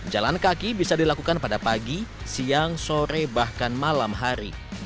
jalan kaki bisa dilakukan pada pagi siang sore bahkan malam hari